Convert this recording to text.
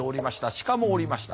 シカもおりました。